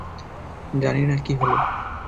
জানি না কী হলো।